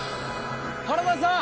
原田さん！